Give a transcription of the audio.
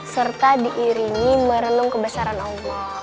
serta diiringi merenung kebesaran allah